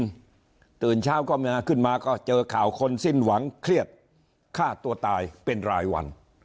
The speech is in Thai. ตื่นเช้าก็มาขึ้นมาก็เจอข่าวคนสิ้นหวังเครียดฆ่าตัวตายเป็นรายวัน